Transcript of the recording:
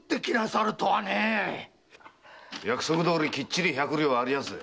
約束どおりきっちり百両ありやすぜ。